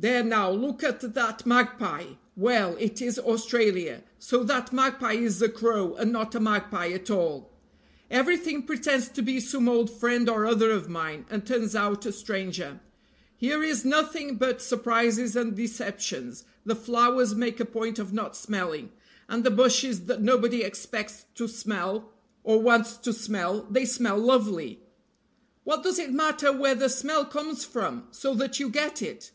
There now, look at that magpie! well, it is Australia so that magpie is a crow and not a magpie at all. Everything pretends to be some old friend or other of mine, and turns out a stranger. Here is nothing but surprises and deceptions. The flowers make a point of not smelling, and the bushes that nobody expects to smell, or wants to smell, they smell lovely. "What does it matter where the smell comes from, so that you get it?"